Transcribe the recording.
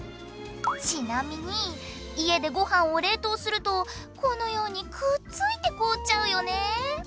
ちなみに家でご飯を冷凍するとこのようにくっついて凍っちゃうよね。